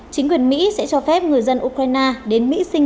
chính quyền mỹ sẽ cho phép người dân ukraine đến mỹ sinh